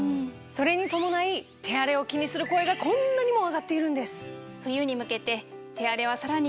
それに伴い手荒れを気にする声がこんなにも上がっているんです！